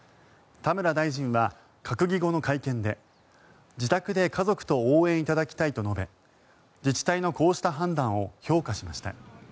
田村大臣は閣議後の会見で自宅で家族と応援いただきたいと述べ自治体のこうした判断を評価しました。